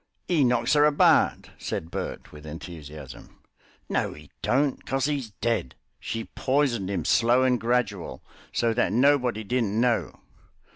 "'E knocks 'er abart," said Bert, with enthusiasm. "No, 'e don't, cos 'e's dead; she poisoned 'im slow and gradual, so that nobody didn't know.